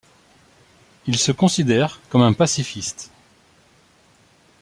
Il se considère comme un pacifiste.